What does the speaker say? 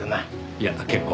いや結構。